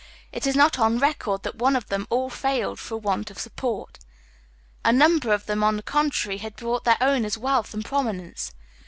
It is not on record that one of them all failed for want of support. A number of them, on the contrary, had brought their owners wealth and prominence.